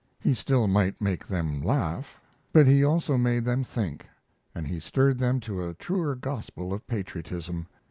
He still might make them laugh, but he also made them think, and he stirred them to a truer gospel of patriotism.